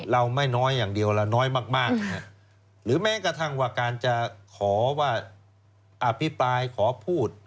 เราไม่น้อยอย่างเดียวละน้อยมากหรือแม้กระทั่งว่าการจะขอว่าอภิปรายขอพูด